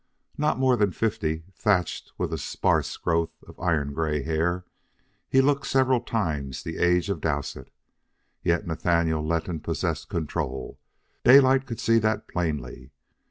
Not more than fifty, thatched with a sparse growth of iron gray hair, he looked several times the age of Dowsett. Yet Nathaniel Letton possessed control Daylight could see that plainly.